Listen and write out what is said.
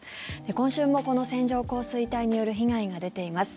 今週も、この線状降水帯による被害が出ています。